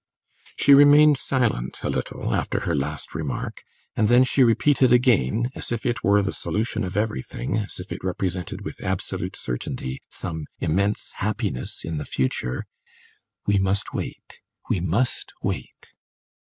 She remained silent a little, after her last remark, and then she repeated again, as if it were the solution of everything, as if it represented with absolute certainty some immense happiness in the future "We must wait, we must wait!"